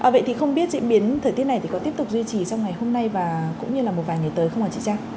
vậy thì không biết diễn biến thời tiết này thì có tiếp tục duy trì trong ngày hôm nay và cũng như là một vài ngày tới không ạ chị trang